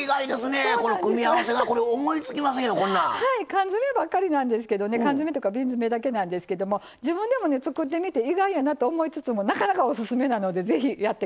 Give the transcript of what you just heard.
缶詰ばっかりなんですけどね缶詰というか瓶詰だけなんですけども自分でもね作ってみて意外やなと思いつつもなかなかおすすめなのでぜひやってください。